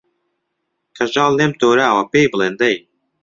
کەژاڵ لێم تۆراوە پێی بڵێن دەی